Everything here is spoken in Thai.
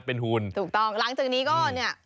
เป็นหุ่นถูกต้องหลังจากนี้ก็เนี่ย